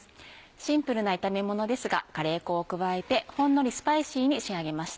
シンプルな炒めものですがカレー粉を加えてほんのりスパイシーに仕上げました。